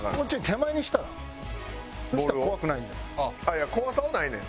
いや怖さはないねん。